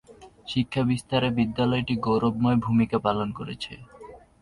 শিক্ষা বিস্তারে বিদ্যালয়টি গৌরবময় ভূমিকা পালন করছে।